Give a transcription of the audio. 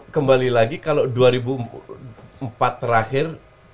kembali lagi kalau dua ribu empat terakhir